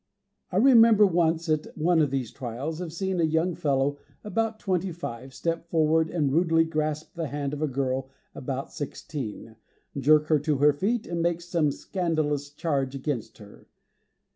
I remember once, at one of these trials, of seeing a young fellow of about twenty five, step forward and rudely grasp the hand of a girl of about sixteen, jerk her to her feet, and make some scandalous charge against her.